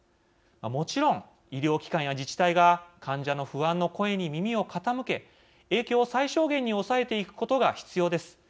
もちろん医療機関や自治体が患者の不安の声に耳を傾け影響を最小限に抑えていくことが必要です。